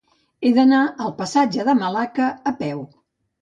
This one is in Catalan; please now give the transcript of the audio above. He d'anar al passatge de Malacca a peu.